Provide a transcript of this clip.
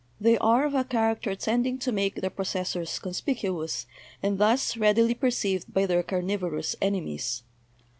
They are of a char acter tending to make their possessors conspicuous, and thus readily perceived by their carnivorous enemies.